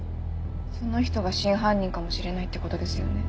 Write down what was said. その人が真犯人かもしれないってことですよね。